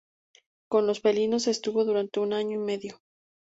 Con los felinos estuvo durante un año y medio.